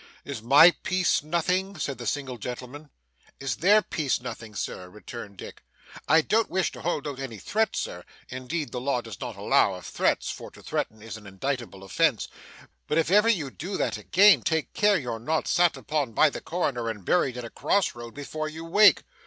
'Is my peace nothing?' said the single gentleman. 'Is their peace nothing, sir?' returned Dick. 'I don't wish to hold out any threats, sir indeed the law does not allow of threats, for to threaten is an indictable offence but if ever you do that again, take care you're not sat upon by the coroner and buried in a cross road before you wake.